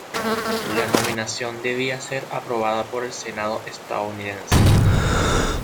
La nominación debía ser aprobada por el Senado estadounidense.